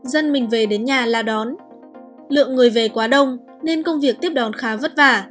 dân mình về đến nhà là đón lượng người về quá đông nên công việc tiếp đón khá vất vả